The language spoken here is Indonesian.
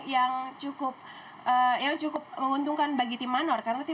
yang cukup menguntungkan untuk mieszkan arah semuanya